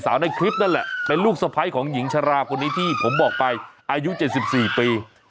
ในคลิปนั่นแหละเป็นลูกสะพ้ายของหญิงชราคนนี้ที่ผมบอกไปอายุ๗๔ปี